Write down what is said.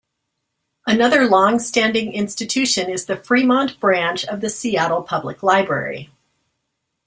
Another longstanding institution is the Fremont branch of the Seattle Public Library.